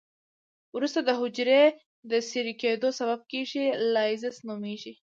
وروسته د حجري د څیرې کیدو سبب کیږي چې لایزس نومېږي.